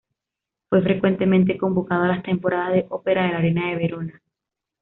Fue frecuentemente convocado a las temporadas de ópera de la Arena de Verona.